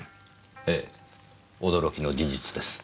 ええ驚きの事実です。